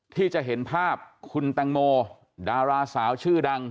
ที่จะเห็นภาพคุณแตงโมดาราสาวชื่อดัง